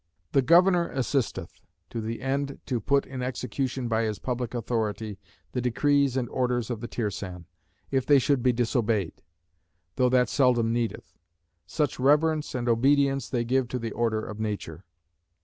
The governor assisteth, to the end to put in execution by his public authority the decrees and orders of the Tirsan, if they should be disobeyed; though that seldom needeth; such reverence and obedience they give to the order of nature.